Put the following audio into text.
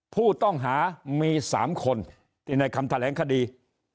ผู้ต้องหามี๓คนที่ในคำแถลงคดี